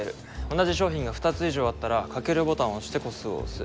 同じ商品が２つ以上あったらかけるボタンを押して個数を押す。